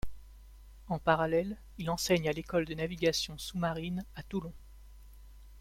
En parallèle, il enseigne à l’École de navigation sous-marine à Toulon.